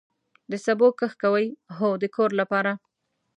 د سبو کښت کوئ؟ هو، د کور لپاره